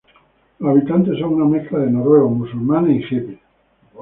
Los habitantes son una mezcla de noruegos, musulmanes y hippies.